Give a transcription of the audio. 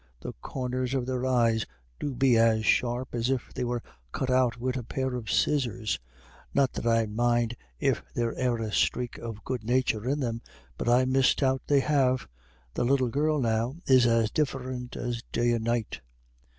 "The corners of their eyes do be as sharp as if they were cut out wid a pair of scissors. Not that I'd mind if they'd e'er a sthrake of good nathur in them; but I misdoubt they have. The little girl, now, is as diff'rint as day and night."